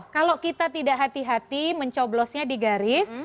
kalau kita tidak hati hati mencoblosnya di garis